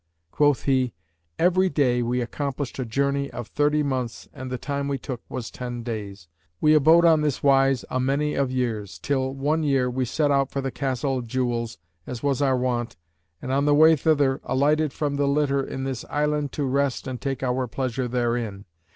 Quoth he, 'Every day we accomplished a journey of thirty months and the time we took was ten days. We abode on this wise a many of years till, one year we set out for the Castle of Jewels, as was our wont, and on the way thither alighted from the litter in this island to rest and take our pleasure therein.